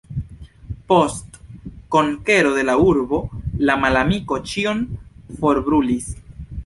Post konkero de la urbo, la malamiko ĉion forbrulis.